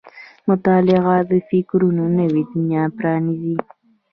• مطالعه د فکرونو نوې دنیا پرانیزي.